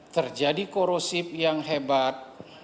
terjadi korosif yang hebat